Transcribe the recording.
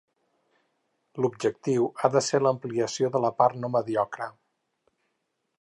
L'objectiu ha de ser l'ampliació de la part no mediocre.